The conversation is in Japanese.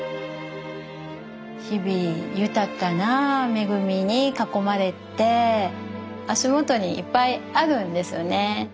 日々豊かな恵みに囲まれて足元にいっぱいあるんですよね。